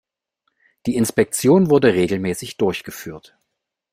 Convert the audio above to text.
Die Inspektion wurde regelmäßig durchgeführt.